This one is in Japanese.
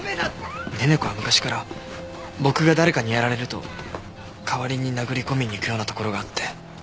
寧々子は昔から僕が誰かにやられると代わりに殴り込みに行くようなところがあって。